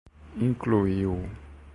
incluiu